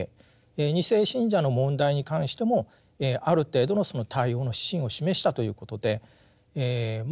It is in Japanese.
２世信者の問題に関してもある程度のその対応の指針を示したということでえま